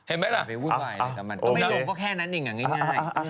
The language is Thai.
เอ้าเอาไปไปแบบวุ่นวายเลยกันมันก็ไม่ลงก็แค่นั้นเองอะง่าย